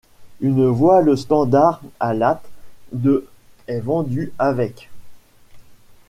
Une voile standard à lattes de est vendu avec.